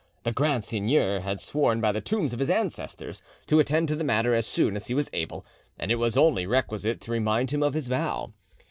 The Grand Seigneur had sworn by the tombs of his ancestors to attend to the matter as soon as he was able, and it was only requisite to remind him of his vow.